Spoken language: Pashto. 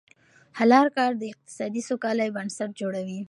حلال کار د اقتصادي سوکالۍ بنسټ جوړوي.